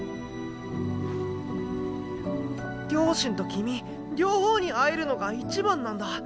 両親と君両方に会えるのが一番なんだ。